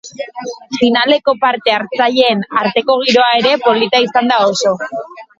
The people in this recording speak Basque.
Finaleko parte hartzaileen arteko giroa ere polita izan da oso.